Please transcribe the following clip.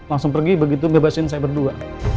langsung pergi begitu bebasin saya berdua